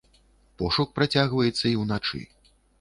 Пошук працягваецца і ўначы.